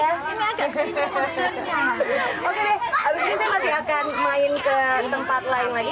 habis ini saya masih akan main ke tempat lain lagi